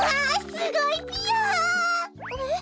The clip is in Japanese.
すごいぴよ！え？